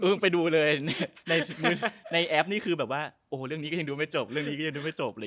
ไปดูเลยในแอปนี่คือแบบว่าโอ้โหเรื่องนี้ก็ยังดูไม่จบเรื่องนี้ก็ยังดูไม่จบเลย